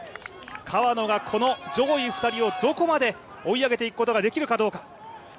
川野がこの上位２人をどこまで追い上げていくことができるかどうか。